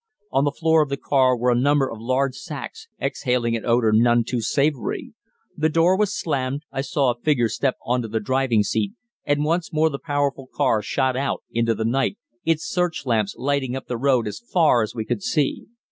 On the floor of the car were a number of large sacks, exhaling an odour none too savoury. The door was slammed, I saw a figure step on to the driving seat, and once more the powerful car shot out into the night, its search lamps lighting up the road as far as we could see.